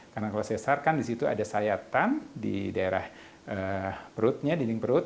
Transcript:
karena kalau cesar kan disitu ada sayatan di daerah perutnya dinding perut